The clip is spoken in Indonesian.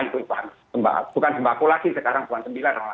itu bukan sembahku lagi sekarang bulan sembilan